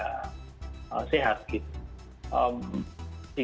kesehatan kita menjadi tidak sehat gitu